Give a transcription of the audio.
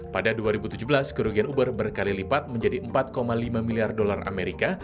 pada dua ribu tujuh belas kerugian uber berkali lipat menjadi empat lima miliar dolar amerika